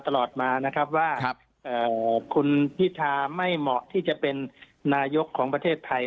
ตลอดมานะครับว่าคุณพิธาไม่เหมาะที่จะเป็นนายกของประเทศไทย